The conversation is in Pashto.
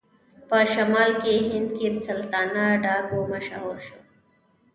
په شمالي هند کې سلطانه ډاکو مشهور شو.